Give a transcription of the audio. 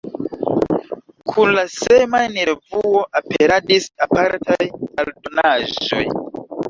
Kun la semajn-revuo aperadis apartaj aldonaĵoj.